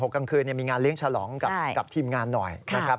๒๖กลางคืนมีงานเลี้ยงฉลองกับทีมงานหน่อย